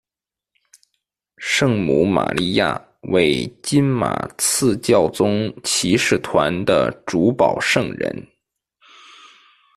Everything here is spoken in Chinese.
圣母玛利亚为金马刺教宗骑士团的主保圣人。